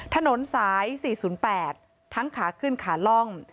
ถนนสาย๔๐๘ทั้งขาขึ้นขาล่อง